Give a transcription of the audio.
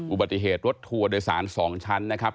อุบัติเหตุรถทัวร์โดยสาร๒ชั้นนะครับ